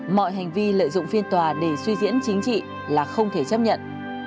mọi hành vi lợi dụng phiên tòa để suy diễn chính trị là không thể chấp nhận